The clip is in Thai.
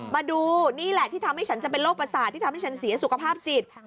มาดูนี่แหละที่ทำให้ฉันจะเป็นโรคประสาทที่ทำให้ฉันเสียสุขภาพจิต